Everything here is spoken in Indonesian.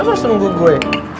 kenapa harus nunggu gue